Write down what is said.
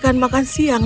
kau bawa barang